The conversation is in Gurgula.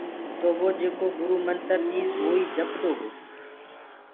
تو وو جيڪو گُرو منتر ديس وو ئي جپدو گو۔